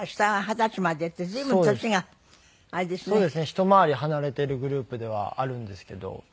一回り離れているグループではあるんですけど。